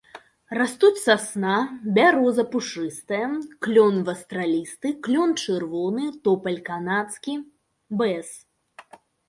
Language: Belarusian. Растуць сасна, бяроза пушыстая, клён вастралісты, клён чырвоны, топаль канадскі, бэз.